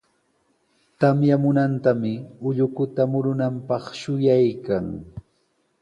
Tamyamunantami ullukuta murunanpaq shuyaykan.